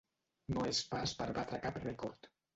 No és pas per batre cap rècord.